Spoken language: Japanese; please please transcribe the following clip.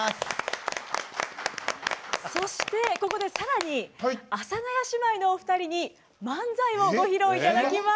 そして、ここでさらに阿佐ヶ谷姉妹のお二人に漫才をご披露いただきます。